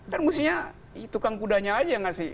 dan mestinya tukang kudanya aja yang ngasih